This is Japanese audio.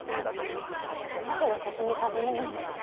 なぜ私に尋ねないのです。